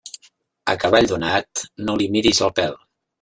A cavall donat no li mires el pèl.